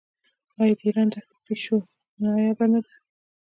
آیا د ایران دښتي پیشو نایابه نه ده؟